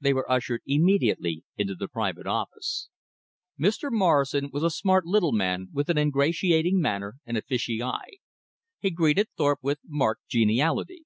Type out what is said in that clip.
They were ushered immediately into the private office. Mr. Morrison was a smart little man with an ingratiating manner and a fishy eye. He greeted Thorpe with marked geniality.